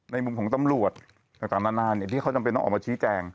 มุมของตำรวจต่างนานที่เขาจำเป็นต้องออกมาชี้แจง